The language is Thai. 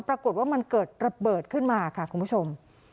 ปรากฏว่ามันเกิดระเบิดขึ้นมาค่ะคุณผู้ชม